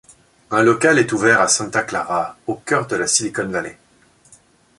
Un local est ouvert à Santa Clara, au cœur de la Silicon Valley.